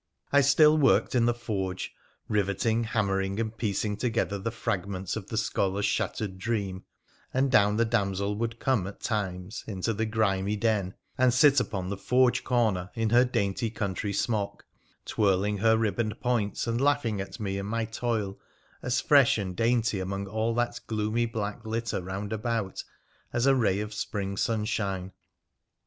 I still worked in the forge, riveting, hammering, and piecing together the fragments of the scholar's shattered dream, and down the damsel would come at times into the grimy den and sit upon the forge corner in her dainty country smock, twirling her ribboned points and laughing at me and my toil, as fresh and dainty among all that gloomy black litter round about as a ray of spring sunshine.